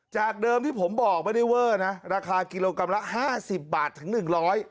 จากเดิมที่ผมบอกไม่ได้เว่อนะราคากิโลกรัมละ๕๐บาทถึง๑๐๐